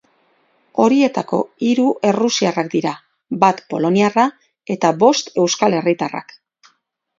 Horietako hiru errusiarrak dira, bat poloniarra eta bost euskal herritarrak.